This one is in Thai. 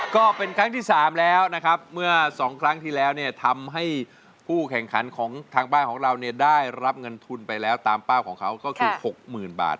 ก็เป็นครั้งที่๓แล้วนะครับเมื่อ๒ครั้งที่แล้วเนี่ยทำให้ผู้แข่งขันของทางบ้านของเราเนี่ยได้รับเงินทุนไปแล้วตามเป้าของเขาก็คือ๖๐๐๐บาท